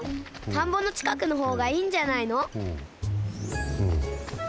たんぼのちかくのほうがいいんじゃないの？